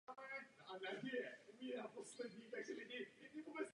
Pech poté vyhrál i několik dalších úseků a tak vyhrál celou první etapu.